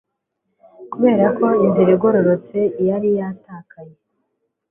Kuberako inzira igororotse yari yatakaye